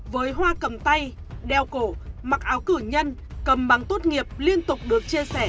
với hoa cầm tay đeo cổ mặc áo cử nhân cầm bằng tốt nghiệp liên tục được chia sẻ